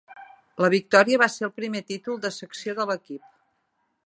La victòria va ser el primer títol de secció de l'equip.